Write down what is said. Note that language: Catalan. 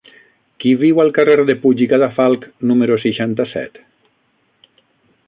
Qui viu al carrer de Puig i Cadafalch número seixanta-set?